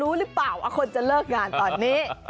รู้หรือเปล่าว่าคนจะเลิกงานตอนนี้